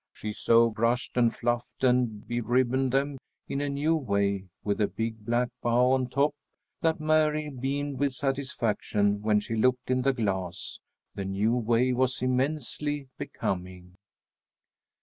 She so brushed and fluffed and be ribboned them in a new way, with a big black bow on top, that Mary beamed with satisfaction when she looked in the glass. The new way was immensely becoming.